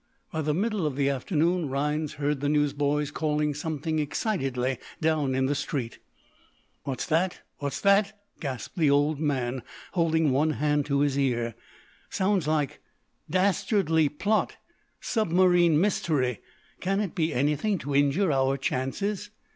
By the middle of the afternoon Rhinds heard the newsboys calling something excitedly down in the street. "What's that? What's that?" gasped the old man, holding one hand to his ear. "Sounds like 'Dastardly plot submarine mystery.' Can it be anything to injure our chances?"